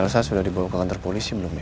saya sudah dibawa ke kantor polisi belum ya